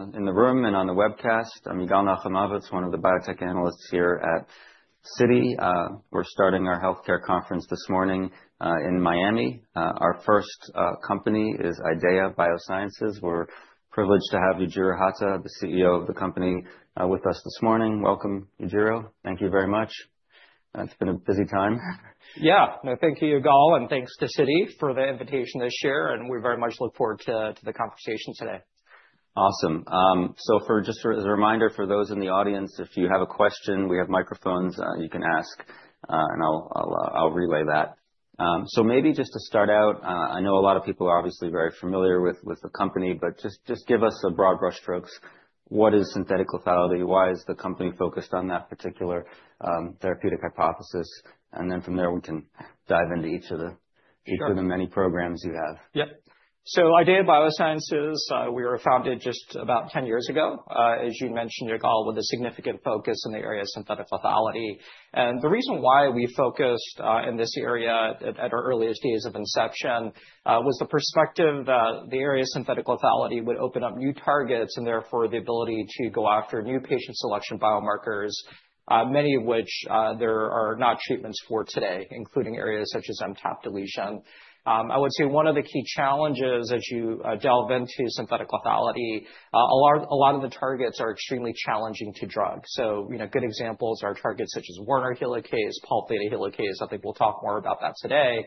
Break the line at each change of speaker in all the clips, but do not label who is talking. In the room and on the webcast, I'm Yigal Nochomovitz, one of the biotech analysts here at Citi. We're starting our healthcare conference this morning in Miami. Our first company is IDEAYA Biosciences. We're privileged to have Yujiro Hata, the CEO of the company, with us this morning. Welcome, Yujiro. Thank you very much. It's been a busy time.
Yeah, no, thank you, Yigal, and thanks to Citi for the invitation this year, and we very much look forward to the conversation today.
Awesome. So just as a reminder for those in the audience, if you have a question, we have microphones you can ask, and I'll relay that. So maybe just to start out, I know a lot of people are obviously very familiar with the company, but just give us a broad brush strokes. What is synthetic lethality? Why is the company focused on that particular therapeutic hypothesis? And then from there, we can dive into each of the many programs you have.
Yep. So IDEAYA Biosciences, we were founded just about 10 years ago, as you mentioned, Yigal, with a significant focus in the area of synthetic lethality, and the reason why we focused in this area at our earliest days of inception was the perspective that the area of synthetic lethality would open up new targets and therefore the ability to go after new patient selection biomarkers, many of which there are not treatments for today, including areas such as MTAP deletion. I would say one of the key challenges as you delve into synthetic lethality, a lot of the targets are extremely challenging to drug. So good examples are targets such as Werner helicase, Pol Theta helicase. I think we'll talk more about that today.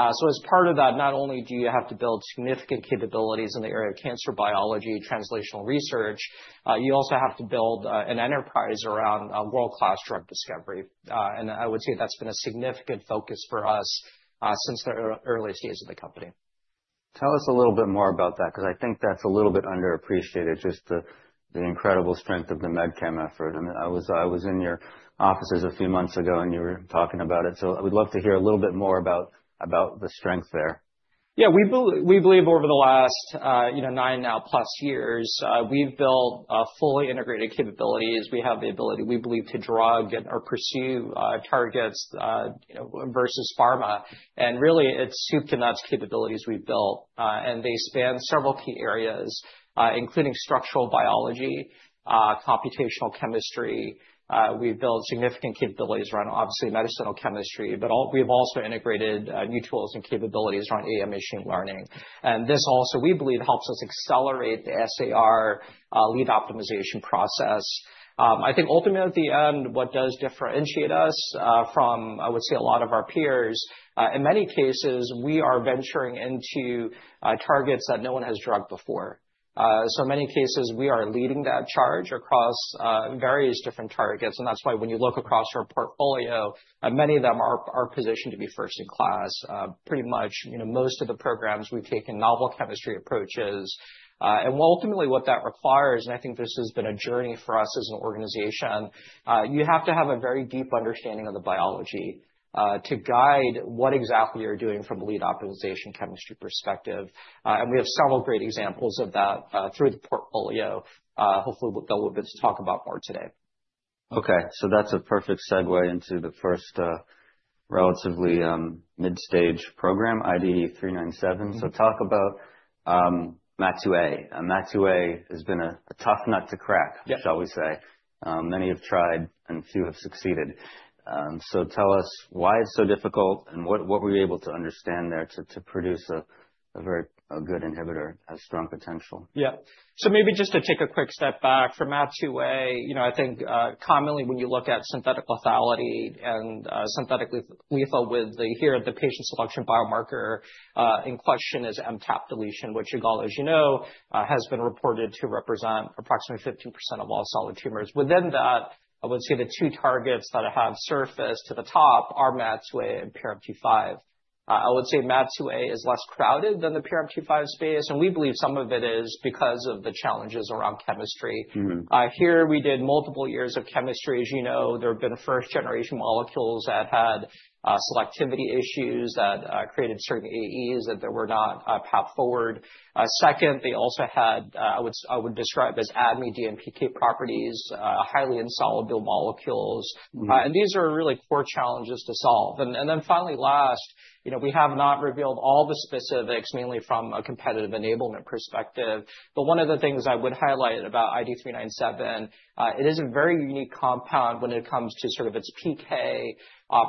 As part of that, not only do you have to build significant capabilities in the area of cancer biology translational research, you also have to build an enterprise around world-class drug discovery. I would say that's been a significant focus for us since the earliest days of the company.
Tell us a little bit more about that, because I think that's a little bit underappreciated, just the incredible strength of the MedChem effort. I mean, I was in your offices a few months ago, and you were talking about it. So I would love to hear a little bit more about the strength there.
Yeah, we believe over the last 9+ years, we've built fully integrated capabilities. We have the ability, we believe, to drug or pursue targets versus pharma. And really, it's soup to nuts capabilities we've built. And they span several key areas, including structural biology, computational chemistry. We've built significant capabilities around, obviously, medicinal chemistry, but we've also integrated new tools and capabilities around AI machine learning. And this also, we believe, helps us accelerate the SAR lead optimization process. I think ultimately, at the end, what does differentiate us from, I would say, a lot of our peers, in many cases, we are venturing into targets that no one has drugged before. So in many cases, we are leading that charge across various different targets. And that's why when you look across our portfolio, many of them are positioned to be first in class. Pretty much most of the programs, we've taken novel chemistry approaches. And ultimately, what that requires, and I think this has been a journey for us as an organization, you have to have a very deep understanding of the biology to guide what exactly you're doing from a lead optimization chemistry perspective. And we have several great examples of that through the portfolio. Hopefully, they'll be able to talk about more today.
Okay, so that's a perfect segue into the first relatively mid-stage program, IDE397. So talk about MAT2A. MAT2A has been a tough nut to crack, shall we say. Many have tried, and few have succeeded. So tell us why it's so difficult and what were you able to understand there to produce a very good inhibitor, a strong potential?
Yeah. So maybe just to take a quick step back from MAT2A, I think commonly when you look at synthetic lethality and synthetic lethal with here, the patient selection biomarker in question is MTAP deletion, which, Yigal, as you know, has been reported to represent approximately 15% of all solid tumors. Within that, I would say the two targets that have surfaced to the top are MAT2A and PRMT5. I would say MAT2A is less crowded than the PRMT5 space. And we believe some of it is because of the challenges around chemistry. Here, we did multiple years of chemistry. As you know, there have been first-generation molecules that had selectivity issues that created certain AEs that were not path forward. Second, they also had, I would describe as ADME DMPK properties, highly insoluble molecules. And these are really core challenges to solve. Then finally, last, we have not revealed all the specifics, mainly from a competitive enablement perspective. But one of the things I would highlight about IDE397, it is a very unique compound when it comes to sort of its PK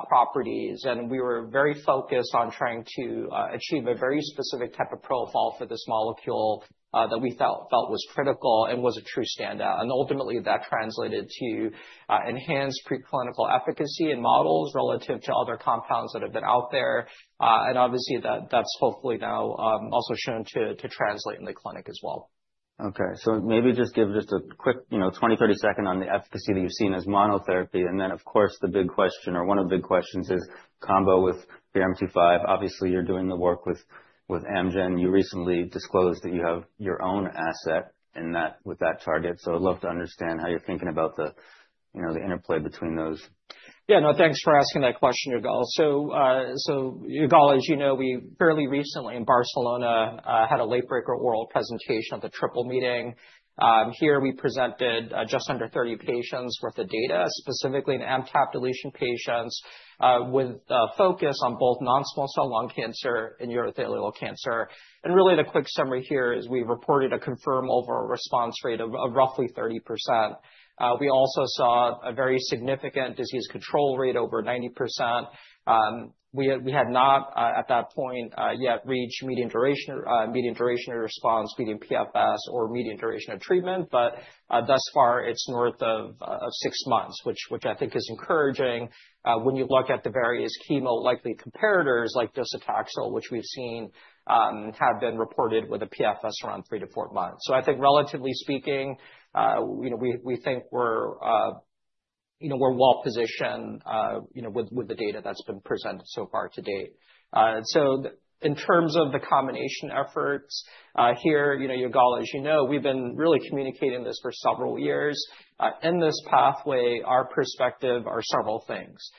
properties. And we were very focused on trying to achieve a very specific type of profile for this molecule that we felt was critical and was a true standout. And ultimately, that translated to enhanced preclinical efficacy in models relative to other compounds that have been out there. And obviously, that's hopefully now also shown to translate in the clinic as well.
Okay, so maybe just give a quick 20-30 seconds on the efficacy that you've seen as monotherapy. And then, of course, the big question, or one of the big questions is combo with PRMT5. Obviously, you're doing the work with Amgen. You recently disclosed that you have your own asset with that target. So I'd love to understand how you're thinking about the interplay between those.
Yeah, no, thanks for asking that question, Yigal. So Yigal, as you know, we fairly recently in Barcelona had a late-breaker oral presentation at the Triple Meeting. Here, we presented just under 30 patients' worth of data, specifically in MTAP deletion patients with a focus on both non-small cell lung cancer and urothelial cancer. And really, the quick summary here is we reported a confirmed overall response rate of roughly 30%. We also saw a very significant disease control rate over 90%. We had not at that point yet reached median duration of response, median PFS, or median duration of treatment. But thus far, it's north of six months, which I think is encouraging. When you look at the various chemo-like comparators like docetaxel, which we've seen have been reported with a PFS around three to four months. So I think relatively speaking, we think we're well positioned with the data that's been presented so far to date. So in terms of the combination efforts here, Yigal, as you know, we've been really communicating this for several years. In this pathway, our perspective are several things.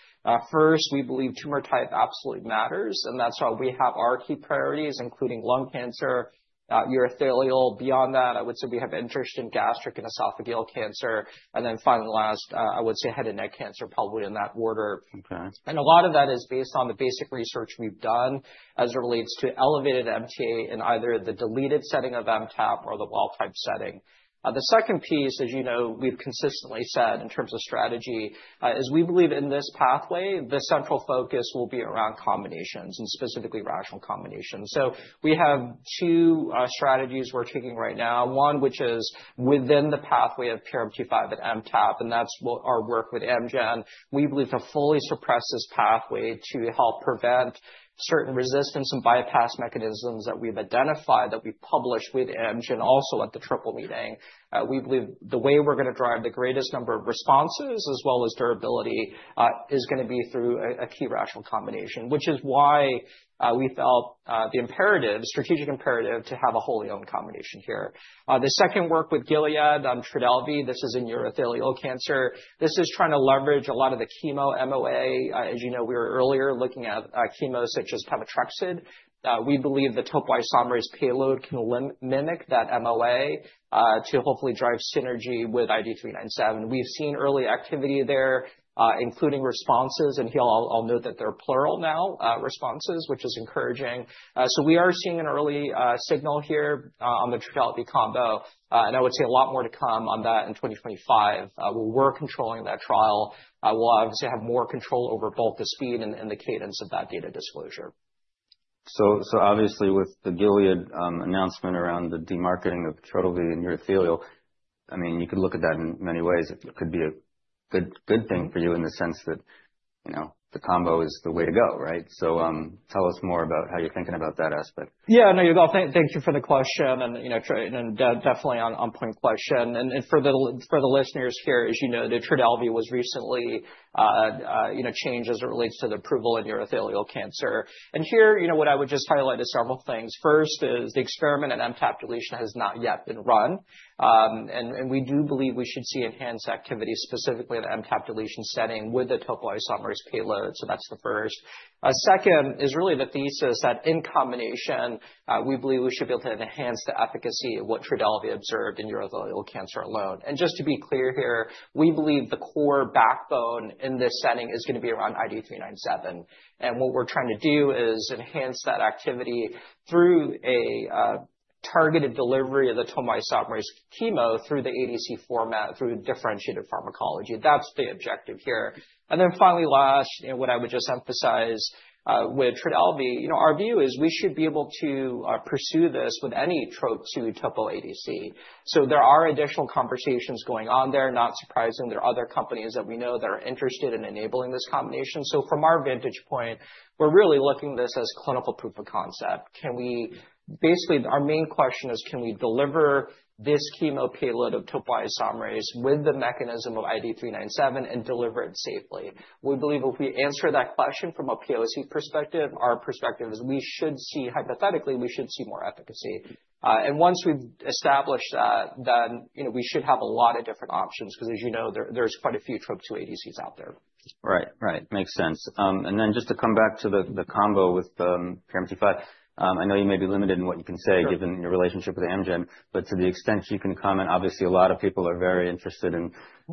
First, we believe tumor type absolutely matters. And that's why we have our key priorities, including lung cancer, urothelial. Beyond that, I would say we have interest in gastric and esophageal cancer. And then finally, last, I would say head and neck cancer, probably in that order. And a lot of that is based on the basic research we've done as it relates to elevated MTA in either the deleted setting of MTAP or the wild-type setting. The second piece, as you know, we've consistently said in terms of strategy is we believe in this pathway. The central focus will be around combinations and specifically rational combinations. So we have two strategies we're taking right now, one which is within the pathway of PRMT5 at MTAP. And that's our work with Amgen. We believe to fully suppress this pathway to help prevent certain resistance and bypass mechanisms that we've identified that we published with Amgen also at the triple meeting. We believe the way we're going to drive the greatest number of responses as well as durability is going to be through a key rational combination, which is why we felt the strategic imperative to have a wholly owned combination here. The second work with Gilead on Trodelvy, this is in urothelial cancer. This is trying to leverage a lot of the chemo MOA. As you know, we were earlier looking at chemo such as pemetrexed. We believe the topoisomerase payload can mimic that MOA to hopefully drive synergy with IDE397. We've seen early activity there, including responses. And I'll note that they're plural now, responses, which is encouraging. So we are seeing an early signal here on the Trodelvy combo. And I would say a lot more to come on that in 2025. We're controlling that trial. We'll obviously have more control over both the speed and the cadence of that data disclosure.
So obviously, with the Gilead announcement around the marketing of Trodelvy and urothelial, I mean, you could look at that in many ways. It could be a good thing for you in the sense that the combo is the way to go, right? So tell us more about how you're thinking about that aspect.
Yeah, no, Yigal, thank you for the question. And definitely on point question. And for the listeners here, as you know, the Trodelvy was recently changed as it relates to the approval in urothelial cancer. And here, what I would just highlight is several things. First is the experiment at MTAP deletion has not yet been run. And we do believe we should see enhanced activity specifically in the MTAP deletion setting with the topoisomerase payload. So that's the first. Second is really the thesis that in combination, we believe we should be able to enhance the efficacy of what Trodelvy observed in urothelial cancer alone. And just to be clear here, we believe the core backbone in this setting is going to be around IDE397. And what we're trying to do is enhance that activity through a targeted delivery of the topoisomerase chemo through the ADC format through differentiated pharmacology. That's the objective here. Then finally, last, what I would just emphasize with Trodelvy, our view is we should be able to pursue this with any Trop-2 topo ADC. So there are additional conversations going on there. Not surprising, there are other companies that we know that are interested in enabling this combination. So from our vantage point, we're really looking at this as clinical proof of concept. Basically, our main question is, can we deliver this chemo payload of topoisomerase with the mechanism of IDE397 and deliver it safely? We believe if we answer that question from a POC perspective, our perspective is we should see, hypothetically, we should see more efficacy. Once we've established that, then we should have a lot of different options, because as you know, there's quite a few Trop-2 ADCs out there.
Right, right. Makes sense. And then just to come back to the combo with PRMT5, I know you may be limited in what you can say given your relationship with Amgen, but to the extent you can comment, obviously, a lot of people are very interested in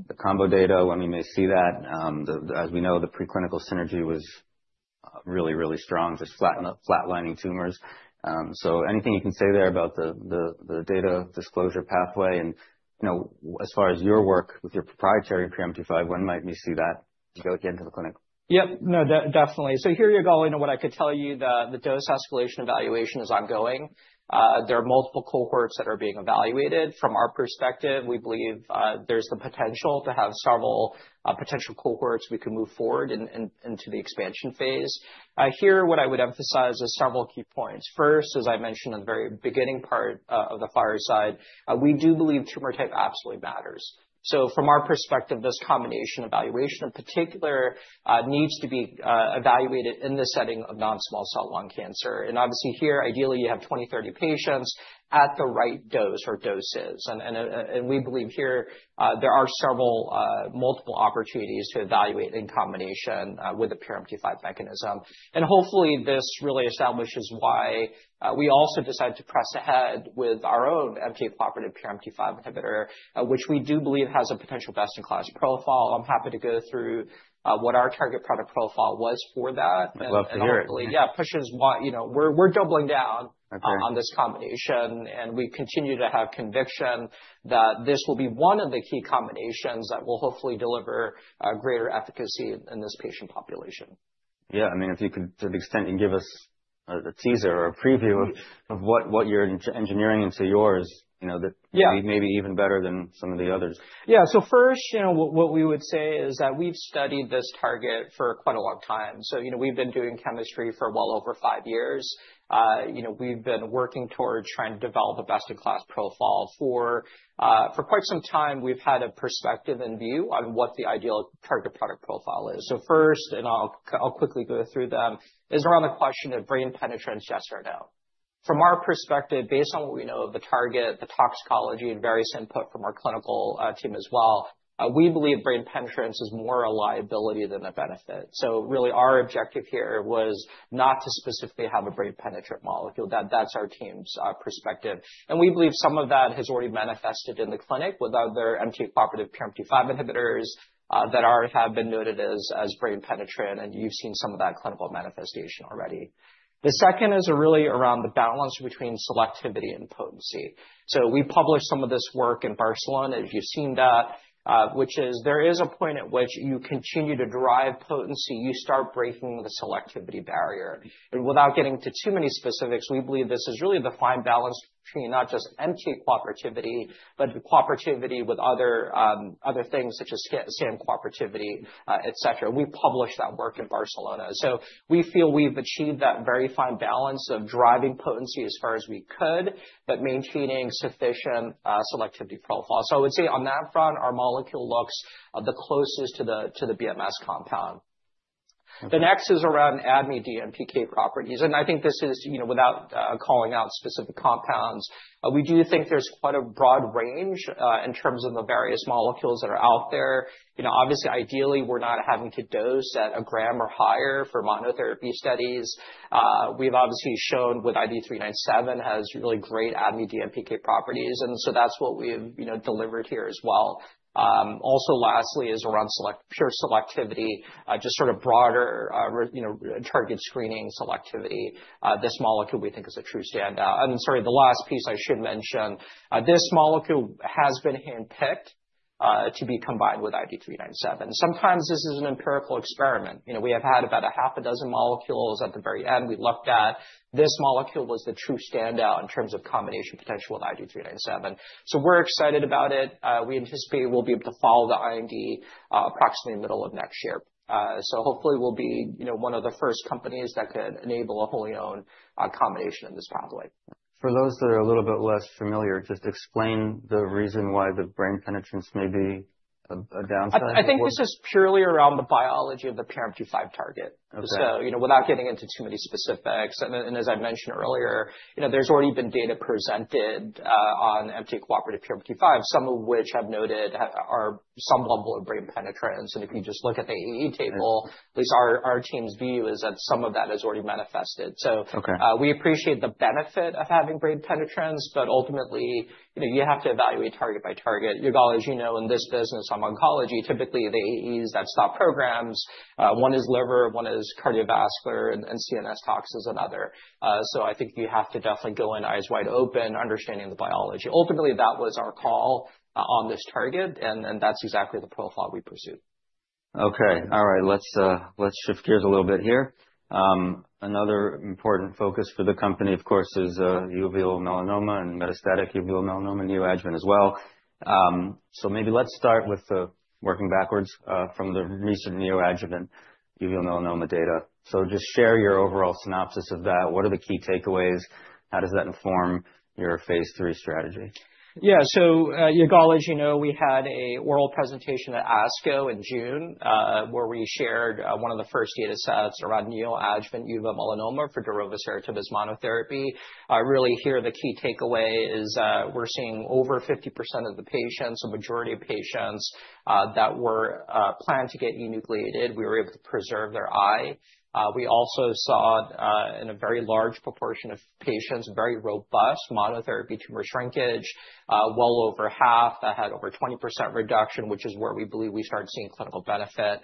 the combo data. I mean, we may see that. As we know, the preclinical synergy was really, really strong, just flatlining tumors. So anything you can say there about the data disclosure pathway? And as far as your work with your proprietary PRMT5, when might we see that go again to the clinic?
Yep, no, definitely. So here, Yigal, I know what I could tell you, the dose escalation evaluation is ongoing. There are multiple cohorts that are being evaluated. From our perspective, we believe there's the potential to have several potential cohorts we can move forward into the expansion phase. Here, what I would emphasize is several key points. First, as I mentioned in the very beginning part of the fireside, we do believe tumor type absolutely matters. So from our perspective, this combination evaluation in particular needs to be evaluated in the setting of non-small cell lung cancer. And obviously here, ideally, you have 20, 30 patients at the right dose or doses. And we believe here there are several multiple opportunities to evaluate in combination with the PRMT5 mechanism. And hopefully, this really establishes why we also decided to press ahead with our own MTAP-cooperative PRMT5 inhibitor, which we do believe has a potential best-in-class profile. I'm happy to go through what our target product profile was for that.
I'd love to hear it.
Yeah, pushes what we're doubling down on this combination, and we continue to have conviction that this will be one of the key combinations that will hopefully deliver greater efficacy in this patient population.
Yeah, I mean, if you could, to the extent you can give us a teaser or a preview of what you're engineering into yours, that would be maybe even better than some of the others.
Yeah, so first, what we would say is that we've studied this target for quite a long time. So we've been doing chemistry for well over five years. We've been working towards trying to develop a best-in-class profile. For quite some time, we've had a perspective and view on what the ideal target product profile is. So first, and I'll quickly go through them, is around the question of brain penetrance, yes or no? From our perspective, based on what we know of the target, the toxicology, and various input from our clinical team as well, we believe brain penetrance is more a liability than a benefit. So really, our objective here was not to specifically have a brain penetrant molecule. That's our team's perspective. And we believe some of that has already manifested in the clinic with other MTAP-cooperative PRMT5 inhibitors that have been noted as brain penetrant. And you've seen some of that clinical manifestation already. The second is really around the balance between selectivity and potency. So we published some of this work in Barcelona, as you've seen that, which is there is a point at which you continue to drive potency, you start breaking the selectivity barrier. And without getting to too many specifics, we believe this is really the fine balance between not just MTAP-cooperativity, but cooperativity with other things such as SAM-cooperativity, et cetera. We published that work in Barcelona. So we feel we've achieved that very fine balance of driving potency as far as we could, but maintaining sufficient selectivity profile. So I would say on that front, our molecule looks the closest to the BMS compound. The next is around ADME DMPK properties. And I think this is without calling out specific compounds. We do think there's quite a broad range in terms of the various molecules that are out there. Obviously, ideally, we're not having to dose at a gram or higher for monotherapy studies. We've obviously shown that IDE397 has really great ADME and PK properties, and so that's what we've delivered here as well. Also, lastly, is around pure selectivity, just sort of broader target screening selectivity. This molecule we think is a true standout, and sorry, the last piece I should mention, this molecule has been handpicked to be combined with IDE397. Sometimes this is an empirical experiment. We have had about a half a dozen molecules at the very end. We looked at this molecule was the true standout in terms of combination potential with IDE397, so we're excited about it. We anticipate we'll be able to file the IND approximately middle of next year. Hopefully, we'll be one of the first companies that could enable a wholly-owned combination in this pathway.
For those that are a little bit less familiar, just explain the reason why the brain penetrance may be a downside.
I think this is purely around the biology of the PRMT5 target. So without getting into too many specifics, and as I mentioned earlier, there's already been data presented on MTAP-cooperative PRMT5, some of which I've noted are somewhat below brain penetrance. And if you just look at the AE table, at least our team's view is that some of that has already manifested. So we appreciate the benefit of having brain penetrance, but ultimately, you have to evaluate target by target. Yigal, as you know, in this business, I'm oncology. Typically, the AEs that stop programs, one is liver, one is cardiovascular, and CNS tox is another. So I think you have to definitely go in eyes wide open understanding the biology. Ultimately, that was our call on this target. And that's exactly the profile we pursued.
Okay, all right. Let's shift gears a little bit here. Another important focus for the company, of course, is uveal melanoma and metastatic uveal melanoma and neoadjuvant as well. So maybe let's start with working backwards from the recent neoadjuvant uveal melanoma data. So just share your overall synopsis of that. What are the key takeaways? How does that inform your phase three strategy?
Yeah, so Yigal, as you know, we had an oral presentation at ASCO in June where we shared one of the first data sets around neoadjuvant uveal melanoma for darovasertib as monotherapy. Really here, the key takeaway is we're seeing over 50% of the patients, a majority of patients that were planned to get enucleated, we were able to preserve their eye. We also saw in a very large proportion of patients, very robust monotherapy tumor shrinkage, well over half that had over 20% reduction, which is where we believe we started seeing clinical benefit.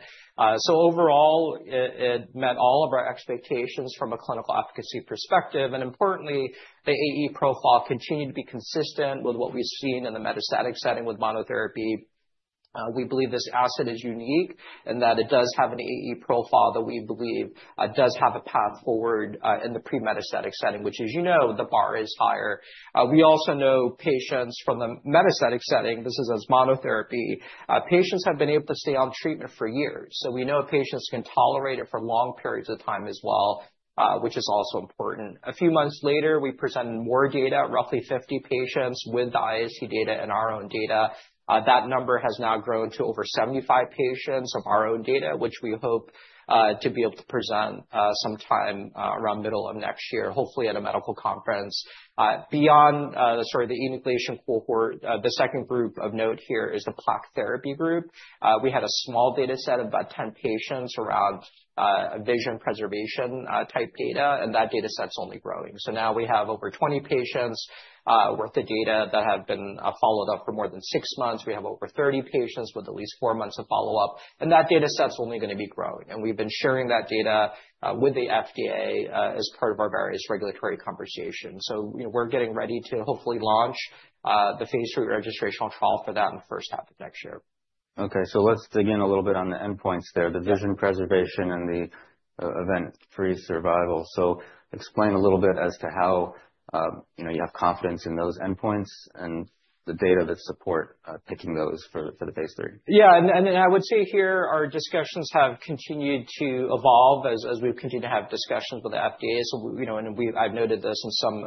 So overall, it met all of our expectations from a clinical efficacy perspective. And importantly, the AE profile continued to be consistent with what we've seen in the metastatic setting with monotherapy. We believe this asset is unique in that it does have an AE profile that we believe does have a path forward in the pre-metastatic setting, which, as you know, the bar is higher. We also know patients from the metastatic setting, this is as monotherapy, patients have been able to stay on treatment for years, so we know patients can tolerate it for long periods of time as well, which is also important. A few months later, we presented more data, roughly 50 patients with the IST data and our own data. That number has now grown to over 75 patients of our own data, which we hope to be able to present sometime around middle of next year, hopefully at a medical conference. Beyond the enucleation cohort, the second group of note here is the plaque therapy group. We had a small data set of about 10 patients around vision preservation type data. And that data set's only growing. So now we have over 20 patients worth of data that have been followed up for more than six months. We have over 30 patients with at least four months of follow-up. And that data set's only going to be growing. And we've been sharing that data with the FDA as part of our various regulatory conversations. So we're getting ready to hopefully launch the phase three registration trial for that in the first half of next year.
Okay, so let's dig in a little bit on the endpoints there, the vision preservation and the event-free survival. So explain a little bit as to how you have confidence in those endpoints and the data that support picking those for the phase three.
Yeah, and I would say here our discussions have continued to evolve as we've continued to have discussions with the FDA. And I've noted this in some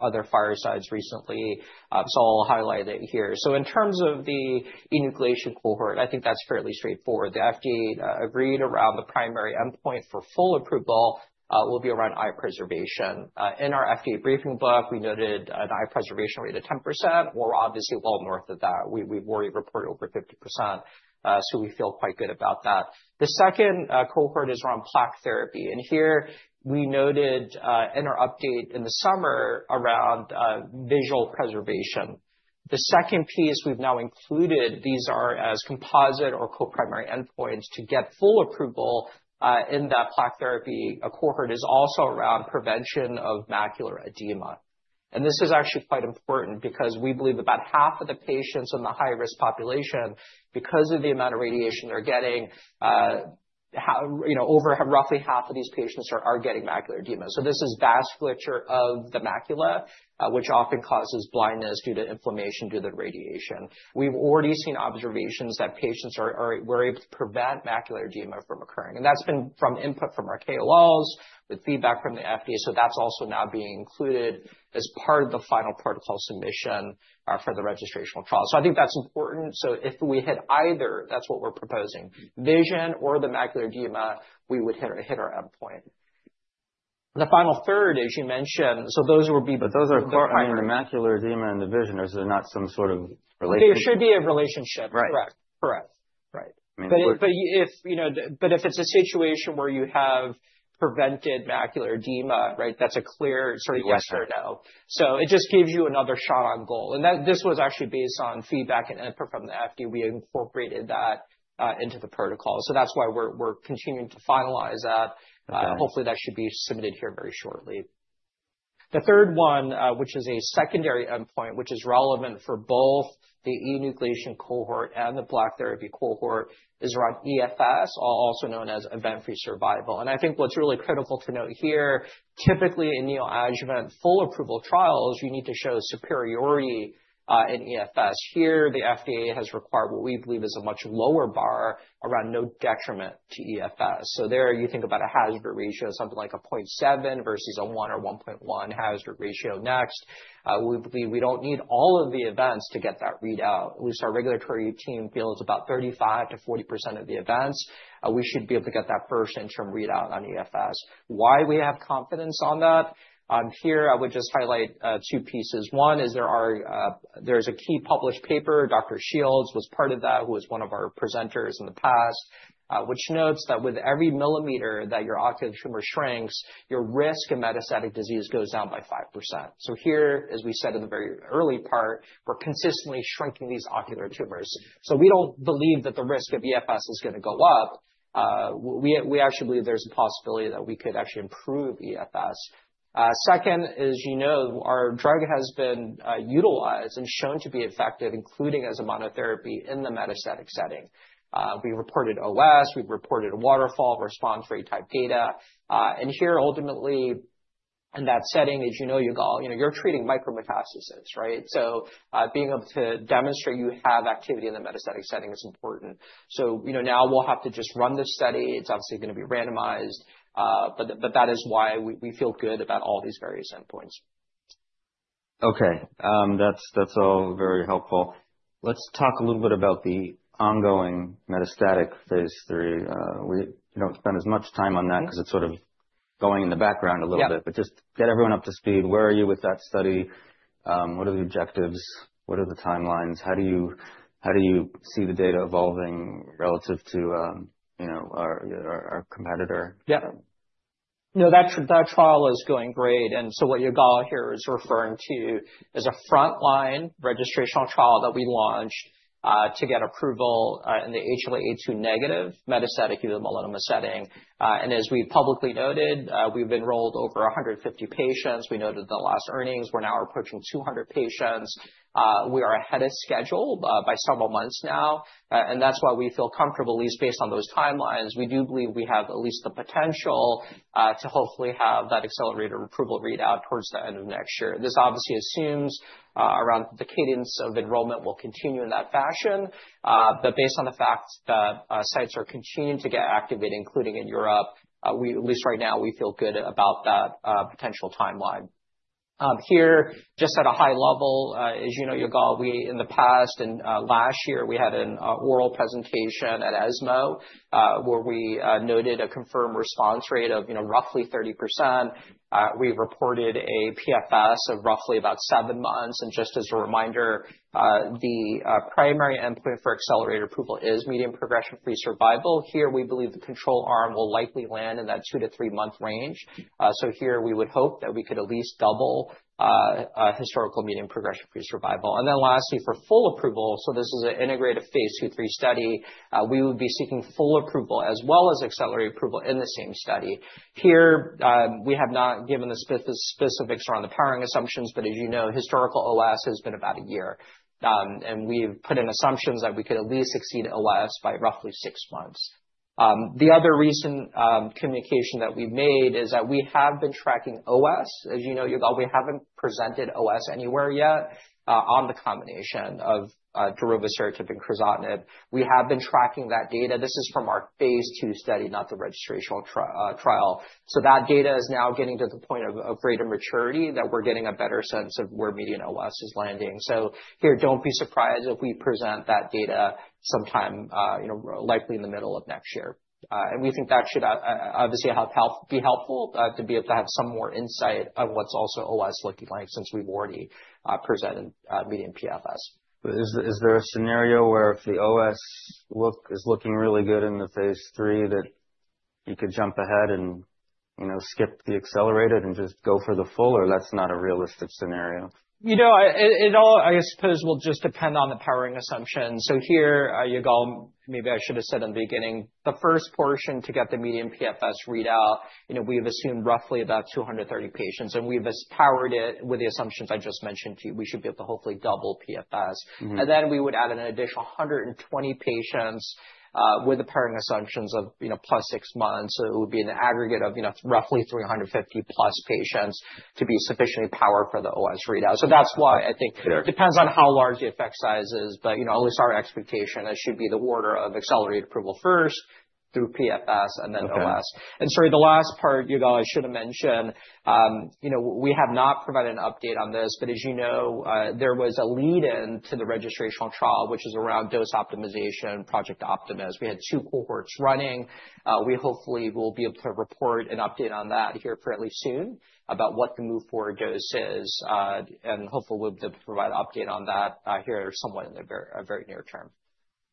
other firesides recently. So I'll highlight it here. So in terms of the enucleation cohort, I think that's fairly straightforward. The FDA agreed around the primary endpoint for full approval will be around eye preservation. In our FDA briefing book, we noted an eye preservation rate of 10%, or obviously well north of that. We've already reported over 50%. So we feel quite good about that. The second cohort is around plaque therapy. And here, we noted in our update in the summer around visual preservation. The second piece we've now included, these are as composite or co-primary endpoints to get full approval in that plaque therapy cohort is also around prevention of macular edema. And this is actually quite important because we believe about half of the patients in the high-risk population, because of the amount of radiation they're getting, over roughly half of these patients are getting macular edema. So this is vasculature of the macula, which often causes blindness due to inflammation due to the radiation. We've already seen observations that patients were able to prevent macular edema from occurring. And that's been from input from our KOLs with feedback from the FDA. So that's also now being included as part of the final protocol submission for the registration trial. So I think that's important. So if we hit either, that's what we're proposing, vision or the macular edema, we would hit our endpoint. The final third, as you mentioned, so those would be.
But those are co-occurring, the macular edema and the vision. There's not some sort of relationship.
There should be a relationship, correct, correct, right, but if it's a situation where you have prevented macular edema, that's a clear sort of yes or no. So it just gives you another shot on goal, and this was actually based on feedback and input from the FDA. We incorporated that into the protocol, so that's why we're continuing to finalize that. Hopefully, that should be submitted here very shortly. The third one, which is a secondary endpoint, which is relevant for both the enucleation cohort and the plaque therapy cohort, is around EFS, also known as event-free survival, and I think what's really critical to note here, typically in neoadjuvant full approval trials, you need to show superiority in EFS. Here, the FDA has required what we believe is a much lower bar around no detriment to EFS. So there, you think about a hazard ratio, something like a 0.7 versus a 1 or 1.1 hazard ratio next. We believe we don't need all of the events to get that readout. At least our regulatory team feels about 35%-40% of the events. We should be able to get that first interim readout on EFS. Why we have confidence on that? Here, I would just highlight two pieces. One is there is a key published paper. Dr. Shields was part of that, who was one of our presenters in the past, which notes that with every millimeter that your ocular tumor shrinks, your risk of metastatic disease goes down by 5%. So here, as we said in the very early part, we're consistently shrinking these ocular tumors. So we don't believe that the risk of EFS is going to go up. We actually believe there's a possibility that we could actually improve EFS. Second, as you know, our drug has been utilized and shown to be effective, including as a monotherapy in the metastatic setting. We reported OS. We've reported waterfall response rate type data, and here, ultimately, in that setting, as you know, Yigal, you're treating micrometastasis, right, so being able to demonstrate you have activity in the metastatic setting is important, so now we'll have to just run this study. It's obviously going to be randomized, but that is why we feel good about all these various endpoints.
Okay, that's all very helpful. Let's talk a little bit about the ongoing metastatic phase III. We don't spend as much time on that because it's sort of going in the background a little bit. But just get everyone up to speed. Where are you with that study? What are the objectives? What are the timelines? How do you see the data evolving relative to our competitor?
Yeah. No, that trial is going great. And so what Yigal here is referring to is a frontline registration trial that we launched to get approval in the HLA-A2 negative metastatic uveal melanoma setting. And as we publicly noted, we've enrolled over 150 patients. We noted the last earnings. We're now approaching 200 patients. We are ahead of schedule by several months now. And that's why we feel comfortable, at least based on those timelines. We do believe we have at least the potential to hopefully have that accelerated approval readout towards the end of next year. This obviously assumes around the cadence of enrollment will continue in that fashion. But based on the fact that sites are continuing to get activated, including in Europe, at least right now, we feel good about that potential timeline. Here, just at a high level, as you know, Yigal, in the past and last year, we had an oral presentation at ESMO, where we noted a confirmed response rate of roughly 30%. We reported a PFS of roughly about seven months. And just as a reminder, the primary endpoint for accelerated approval is median progression-free survival. Here, we believe the control arm will likely land in that two to three-month range. So here, we would hope that we could at least double historical median progression-free survival. And then lastly, for full approval, so this is an integrated phase II/III study, we would be seeking full approval as well as accelerated approval in the same study. Here, we have not given the specifics around the powering assumptions. But as you know, historical OS has been about a year. And we've put in assumptions that we could at least exceed OS by roughly six months. The other recent communication that we've made is that we have been tracking OS. As you know, Yigal, we haven't presented OS anywhere yet on the combination of darovasertib and crizotinib. We have been tracking that data. This is from our phase II study, not the registration trial. So that data is now getting to the point of greater maturity that we're getting a better sense of where median OS is landing. So here, don't be surprised if we present that data sometime likely in the middle of next year. And we think that should obviously be helpful to be able to have some more insight of what's also OS looking like since we've already presented median PFS.
Is there a scenario where if the OS look is looking really good in the phase III, that you could jump ahead and skip the accelerated and just go for the full, or that's not a realistic scenario?
You know, it all, I suppose, will just depend on the powering assumption. So here, Yigal, maybe I should have said in the beginning, the first portion to get the median PFS readout, we've assumed roughly about 230 patients. And we've powered it with the assumptions I just mentioned to you. We should be able to hopefully double PFS. And then we would add an additional 120 patients with the powering assumptions of +6 months. So it would be an aggregate of roughly 350+ patients to be sufficiently powered for the OS readout. So that's why I think it depends on how large the effect size is. But at least our expectation, it should be the order of accelerated approval first through PFS and then OS. And sorry, the last part, Yigal, I should have mentioned, we have not provided an update on this. But as you know, there was a lead-in to the registration trial, which is around dose optimization, project optimization. We had two cohorts running. We hopefully will be able to report an update on that here fairly soon about what the move forward dose is. And hopefully, we'll be able to provide an update on that here somewhat in the very near term.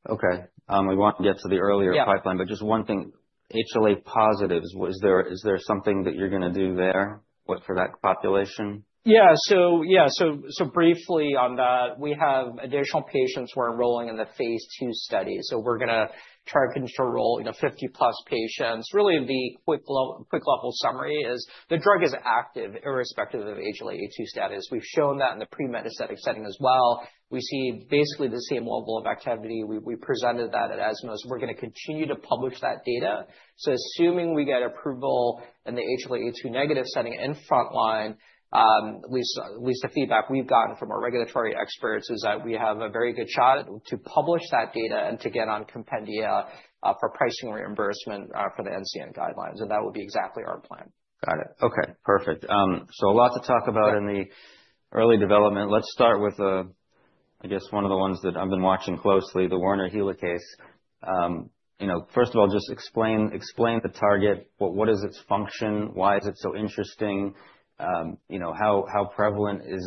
Okay. We want to get to the earlier pipeline. But just one thing, HLA positives, is there something that you're going to do there for that population?
Yeah. So yeah, so briefly on that, we have additional patients we're enrolling in the phase II study. So we're going to try to enroll 50+ patients. Really, the quick level summary is the drug is active irrespective of HLA-A2 status. We've shown that in the pre-metastatic setting as well. We see basically the same level of activity. We presented that at ESMO. We're going to continue to publish that data. So assuming we get approval in the HLA-A2 negative setting and frontline, at least the feedback we've gotten from our regulatory experts is that we have a very good shot to publish that data and to get on compendia for pricing reimbursement for the NCCN guidelines. And that would be exactly our plan.
Got it. Okay, perfect. So a lot to talk about in the early development. Let's start with, I guess, one of the ones that I've been watching closely, the Werner helicase. First of all, just explain the target. What is its function? Why is it so interesting? How prevalent is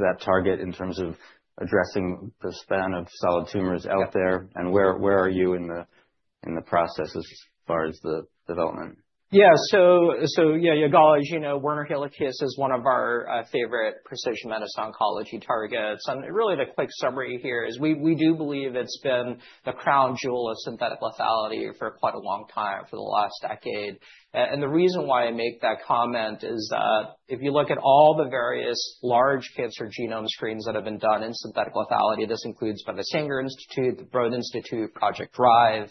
that target in terms of addressing the span of solid tumors out there? And where are you in the process as far as the development?
Yeah. So yeah, Yigal, as you know, Werner helicase is one of our favorite precision medicine oncology targets. And really, the quick summary here is we do believe it's been the crown jewel of synthetic lethality for quite a long time, for the last decade. And the reason why I make that comment is that if you look at all the various large cancer genome screens that have been done in synthetic lethality, this includes by the Sanger Institute, the Broad Institute, Project Drive,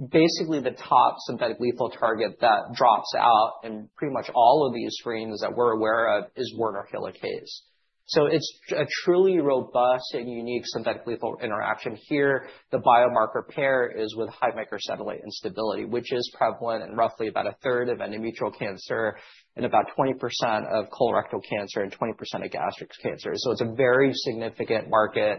basically the top synthetic lethal target that drops out in pretty much all of these screens that we're aware of is Werner helicase. So it's a truly robust and unique synthetic lethal interaction. Here, the biomarker pair is with high microsatellite instability, which is prevalent in roughly about a third of endometrial cancer and about 20% of colorectal cancer and 20% of gastric cancer. It's a very significant market.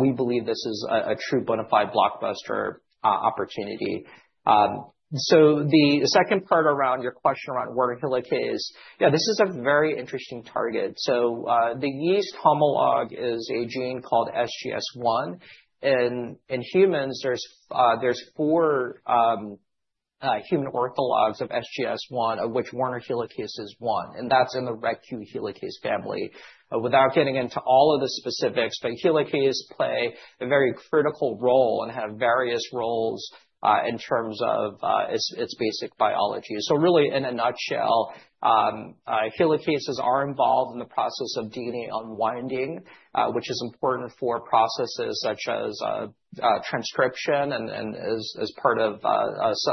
We believe this is a true bona fide blockbuster opportunity. The second part around your question around Werner helicase, yeah, this is a very interesting target. The yeast homolog is a gene called SGS1. In humans, there's four human orthologs of SGS1, of which Werner helicase is one. That's in the RECQ helicase family. Without getting into all of the specifics, but helicase play a very critical role and have various roles in terms of its basic biology. Really, in a nutshell, helicases are involved in the process of DNA unwinding, which is important for processes such as transcription and as part of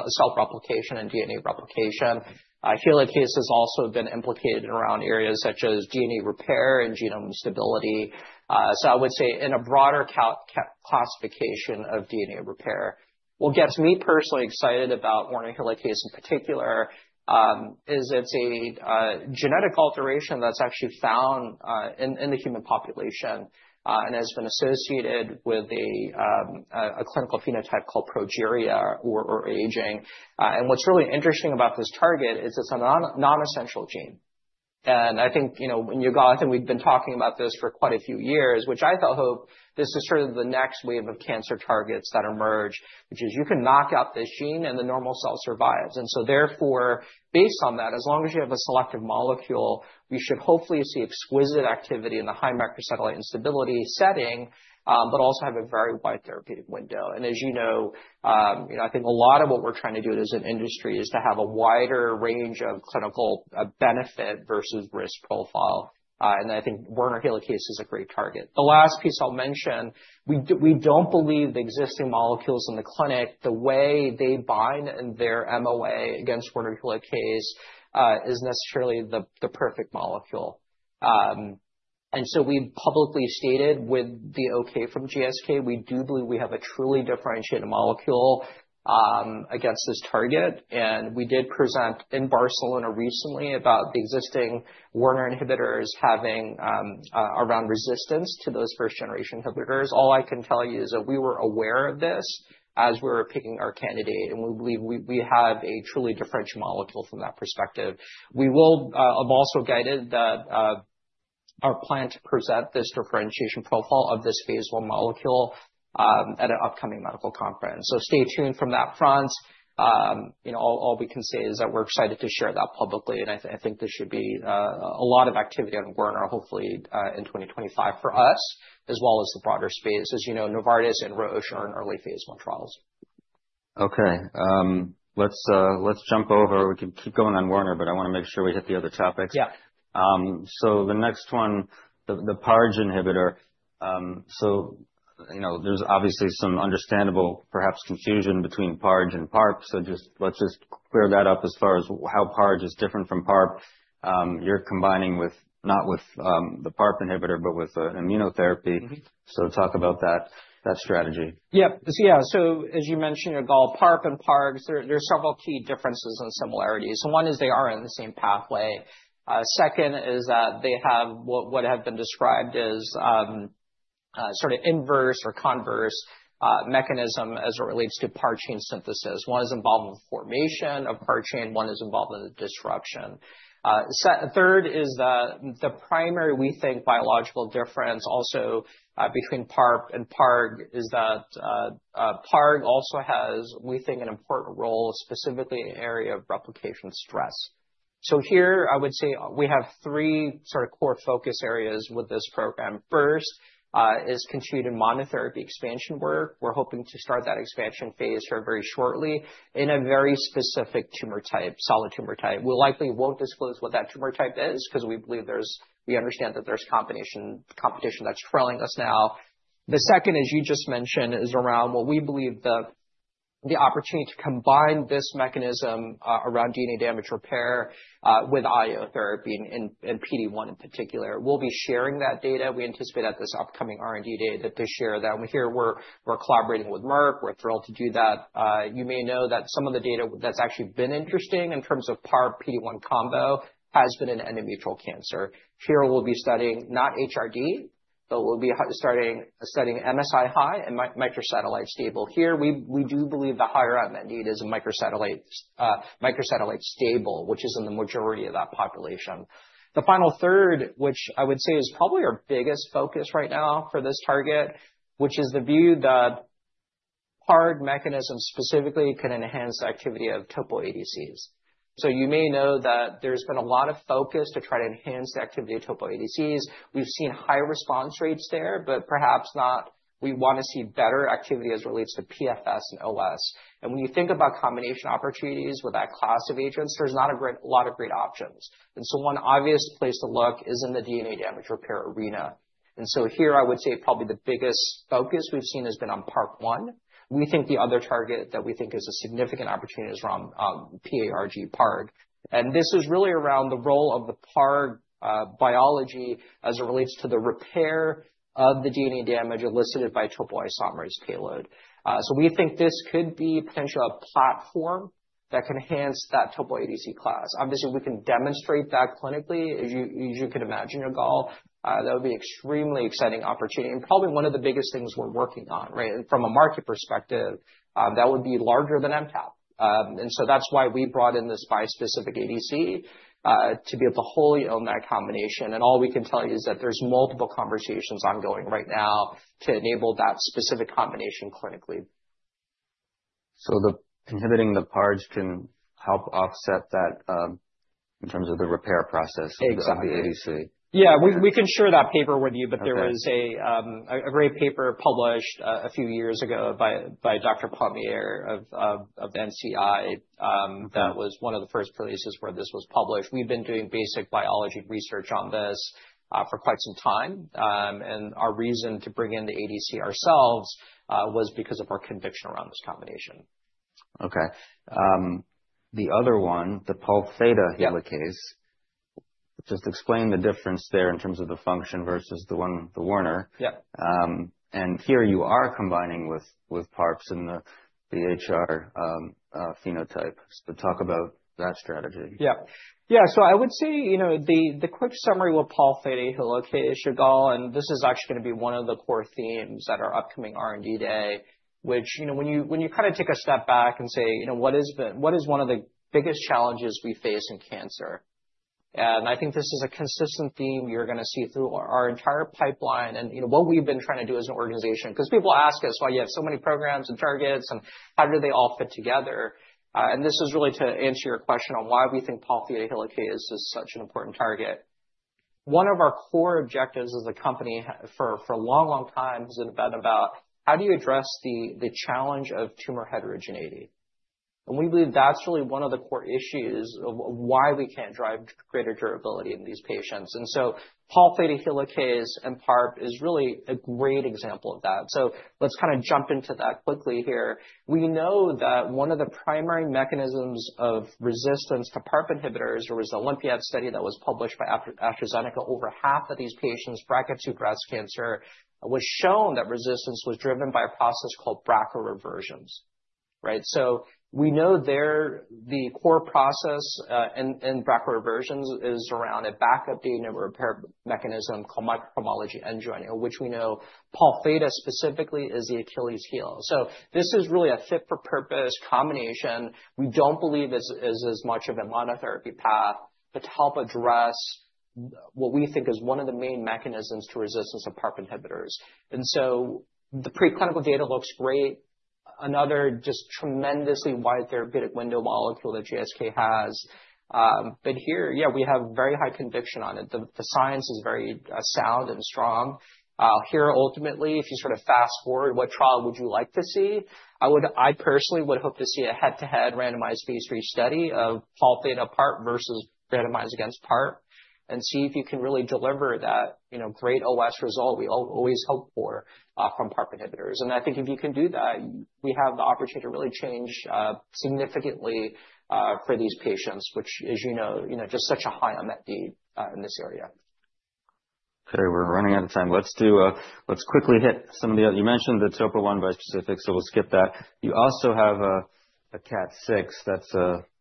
self-replication and DNA replication. Helicase has also been implicated around areas such as DNA repair and genome stability. I would say in a broader classification of DNA repair. What gets me personally excited about Werner helicase in particular is it's a genetic alteration that's actually found in the human population and has been associated with a clinical phenotype called progeria or aging. And what's really interesting about this target is it's a non-essential gene. And I think, Yigal, I think we've been talking about this for quite a few years, which I thought hope this is sort of the next wave of cancer targets that emerge, which is you can knock out this gene and the normal cell survives. And so therefore, based on that, as long as you have a selective molecule, we should hopefully see exquisite activity in the high microsatellite instability setting, but also have a very wide therapeutic window. As you know, I think a lot of what we're trying to do as an industry is to have a wider range of clinical benefit versus risk profile. I think Werner helicase is a great target. The last piece I'll mention, we don't believe the existing molecules in the clinic, the way they bind in their MOA against Werner helicase, is necessarily the perfect molecule. So we publicly stated with the OK from GSK, we do believe we have a truly differentiated molecule against this target. We did present in Barcelona recently about the existing Werner inhibitors having acquired resistance to those first-generation inhibitors. All I can tell you is that we were aware of this as we were picking our candidate. We believe we have a truly differentiated molecule from that perspective. We will have also guided that our plan to present this differentiation profile of this phase I molecule at an upcoming medical conference, so stay tuned from that front. All we can say is that we're excited to share that publicly, and I think there should be a lot of activity on Werner, hopefully in 2025 for us, as well as the broader space. As you know, Novartis and Roche are in early phase I trials.
Okay. Let's jump over. We can keep going on Werner, but I want to make sure we hit the other topics. So the next one, the PARG inhibitor. So there's obviously some understandable, perhaps, confusion between PARG and PARP. So let's just clear that up as far as how PARG is different from PARP. You're combining not with the PARP inhibitor, but with immunotherapy. So talk about that strategy.
Yeah. So yeah, so as you mentioned, Yigal, PARP and PARG, there are several key differences and similarities. One is they are in the same pathway. Second is that they have what have been described as sort of inverse or converse mechanism as it relates to PAR chain synthesis. One is involved in the formation of PAR chain. One is involved in the disruption. Third is that the primary, we think, biological difference also between PARP and PARG is that PARG also has, we think, an important role specifically in the area of replication stress. So here, I would say we have three sort of core focus areas with this program. First is continued monotherapy expansion work. We're hoping to start that expansion phase here very shortly in a very specific tumor type, solid tumor type. We likely won't disclose what that tumor type is because we believe we understand that there's competition that's trailing us now. The second, as you just mentioned, is around what we believe the opportunity to combine this mechanism around DNA damage repair with IO therapy and PD1 in particular. We'll be sharing that data. We anticipate at this upcoming R&D Day that they share that, and here we're collaborating with Merck. We're thrilled to do that. You may know that some of the data that's actually been interesting in terms of PARP-PD1 combo has been in endometrial cancer. Here, we'll be studying not HRD, but we'll be studying MSI high and microsatellite stable. Here, we do believe the higher end is a microsatellite stable, which is in the majority of that population. The final third, which I would say is probably our biggest focus right now for this target, which is the view that PARG mechanism specifically can enhance the activity of topo ADCs. You may know that there's been a lot of focus to try to enhance the activity of topo ADCs. We've seen high response rates there, but perhaps not, we want to see better activity as it relates to PFS and OS. When you think about combination opportunities with that class of agents, there's not a lot of great options. One obvious place to look is in the DNA damage repair arena. Here, I would say probably the biggest focus we've seen has been on PARP1. We think the other target that we think is a significant opportunity is around PARG-PARG. And this is really around the role of the PARG biology as it relates to the repair of the DNA damage elicited by topoisomerase payload. So we think this could be potentially a platform that can enhance that topo ADC class. Obviously, we can demonstrate that clinically. As you could imagine, Yigal, that would be an extremely exciting opportunity and probably one of the biggest things we're working on. And from a market perspective, that would be larger than MTAP. And so that's why we brought in this bispecific ADC to be able to wholly own that combination. And all we can tell you is that there's multiple conversations ongoing right now to enable that specific combination clinically.
Inhibiting the PARG can help offset that in terms of the repair process of the ADC.
Yeah. We can share that paper with you, but there was a great paper published a few years ago by Dr. Pommier of NCI that was one of the first places where this was published. We've been doing basic biology research on this for quite some time, and our reason to bring in the ADC ourselves was because of our conviction around this combination.
Okay. The other one, the Pol Theta helicase, just explain the difference there in terms of the function versus the Werner. And here you are combining with PARPs in the HR phenotype. So talk about that strategy.
Yeah. Yeah. So I would say the quick summary with Werner helicase, Yigal, and this is actually going to be one of the core themes at our upcoming R&D Day, which when you kind of take a step back and say, what is one of the biggest challenges we face in cancer. I think this is a consistent theme you're going to see through our entire pipeline and what we've been trying to do as an organization. Because people ask us, well, you have so many programs and targets, and how do they all fit together. This is really to answer your question on why we think Werner helicase is such an important target. One of our core objectives as a company for a long, long time has been about how do you address the challenge of tumor heterogeneity. And we believe that's really one of the core issues of why we can't drive greater durability in these patients. And so Pol Theta helicase and PARP is really a great example of that. So let's kind of jump into that quickly here. We know that one of the primary mechanisms of resistance to PARP inhibitors was an OlympiAD study that was published by AstraZeneca. Over half of these patients, BRCA2 breast cancer, was shown that resistance was driven by a process called BRCA reversions. So we know the core process in BRCA reversions is around a backup DNA repair mechanism called microhomology end joining, which we know Pol Theta specifically is the Achilles heel. So this is really a fit-for-purpose combination. We don't believe it's as much of a monotherapy path to help address what we think is one of the main mechanisms to resistance of PARP inhibitors. The preclinical data looks great. Another just tremendously wide therapeutic window molecule that GSK has. But here, yeah, we have very high conviction on it. The science is very sound and strong. Here, ultimately, if you sort of fast forward, what trial would you like to see? I personally would hope to see a head-to-head randomized phase III study of Pol theta PARP versus randomized against PARP and see if you can really deliver that great OS result we always hope for from PARP inhibitors. I think if you can do that, we have the opportunity to really change significantly for these patients, which, as you know, just such a high unmet need in this area.
Okay. We're running out of time. Let's quickly hit some of the other you mentioned the topo one bispecific, so we'll skip that. You also have a KAT6 that's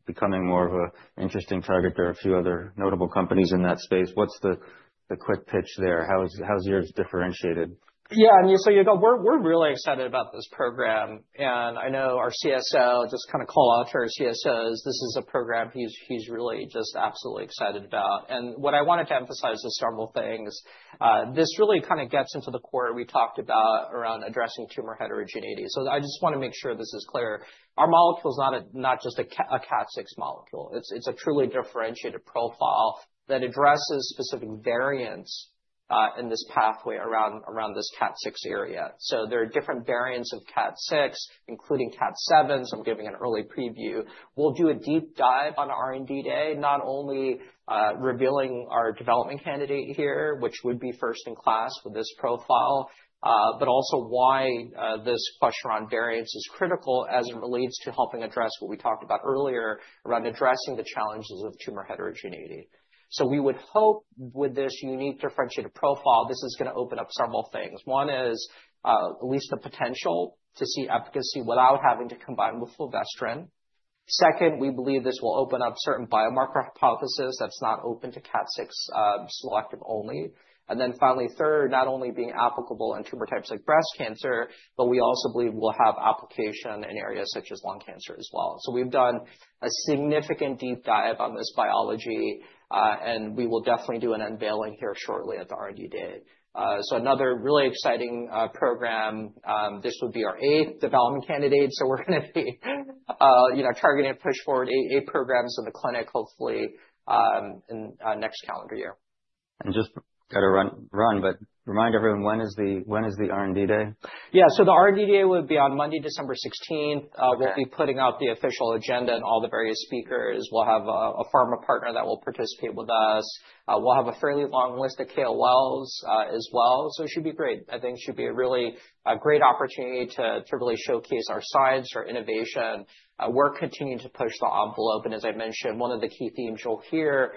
becoming more of an interesting target. There are a few other notable companies in that space. What's the quick pitch there? How's yours differentiated?
Yeah. And so Yigal, we're really excited about this program. And I know our CSO, just kind of call out to our CSOs, this is a program he's really just absolutely excited about. And what I wanted to emphasize is several things. This really kind of gets into the core we talked about around addressing tumor heterogeneity. So I just want to make sure this is clear. Our molecule is not just a KAT6 molecule. It's a truly differentiated profile that addresses specific variants in this pathway around this KAT6 area. So there are different variants of KAT6, including KAT7s. I'm giving an early preview. We'll do a deep dive on R&D Day, not only revealing our development candidate here, which would be first in class with this profile, but also why this question around variance is critical as it relates to helping address what we talked about earlier around addressing the challenges of tumor heterogeneity. We would hope with this unique differentiated profile, this is going to open up several things. One is at least the potential to see efficacy without having to combine with fulvestrant. Second, we believe this will open up certain biomarker hypothesis that's not open to KAT6 selective only. And then finally, third, not only being applicable in tumor types like breast cancer, but we also believe we'll have application in areas such as lung cancer as well. So we've done a significant deep dive on this biology. We will definitely do an unveiling here shortly at the R&D Day. Another really exciting program, this would be our eighth development candidate. We're going to be targeting and push forward eight programs in the clinic, hopefully, in next calendar year.
Just got to run, but remind everyone, when is the R&D Day?
Yeah. So the R&D Day would be on Monday, December 16th. We'll be putting out the official agenda and all the various speakers. We'll have a pharma partner that will participate with us. We'll have a fairly long list of KOLs as well. So it should be great. I think it should be a really great opportunity to really showcase our science, our innovation. We're continuing to push the envelope. And as I mentioned, one of the key themes you'll hear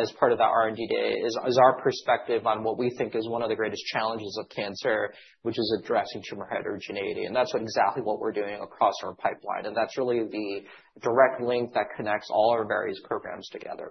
as part of that R&D Day is our perspective on what we think is one of the greatest challenges of cancer, which is addressing tumor heterogeneity. And that's exactly what we're doing across our pipeline. And that's really the direct link that connects all our various programs together.